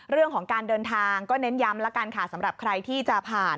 เรื่องของการเดินทางก็เน้นยำสำหรับใครที่จะผ่าน